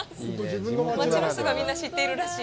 町の人がみんな知っているらしい。